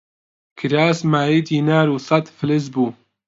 کراس مایەی دینار و سەت فلس بوو